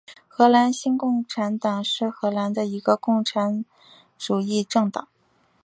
荷兰新共产党是荷兰的一个共产主义政党。